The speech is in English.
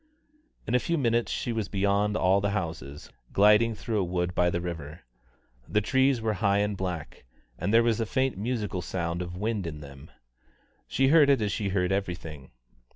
In a few minutes she was beyond all the houses, gliding through a wood by the river. The trees were high and black, and there was a faint musical sound of wind in them. She heard it as she heard everything.